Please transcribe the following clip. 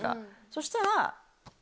そしたら。